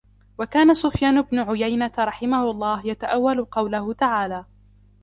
وَكَانَ سُفْيَانُ بْنُ عُيَيْنَةَ رَحِمَهُ اللَّهُ يَتَأَوَّلُ قَوْله تَعَالَى